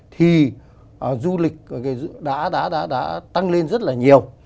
thì du lịch đã tăng lên rất là nhiều